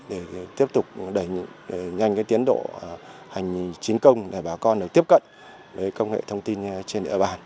để tiếp tục đẩy nhanh tiến độ hành chính công để bà con được tiếp cận với công nghệ thông tin trên địa bàn